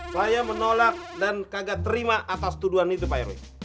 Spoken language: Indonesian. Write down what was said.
saya menolak dan kagak terima atas tuduhan itu pak heru